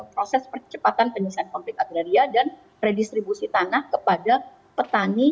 proses percepatan penyelesaian konflik agraria dan redistribusi tanah kepada petani